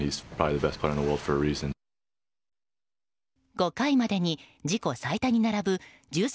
５回までに自己最多に並ぶ１３